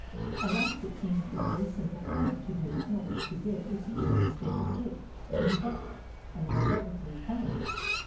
At last it seemed a very simple thing to do in order to get a piece of his favorite cake, so he barked and rolled over three times.